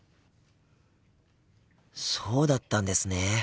そうだったんですね。